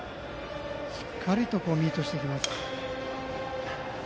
しっかりとミートしてきます。